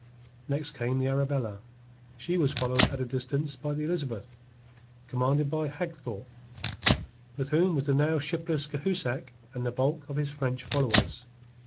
Next came the Arabella. She was followed at a distance by the Elizabeth, commanded by Hagthorpe, with whom was the now shipless Cahusac and the bulk of his French followers.